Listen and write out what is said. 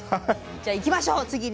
じゃあ行きましょう次に。